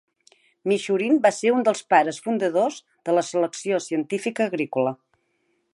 Michurin va ser un dels pares fundadors de la selecció científica agrícola.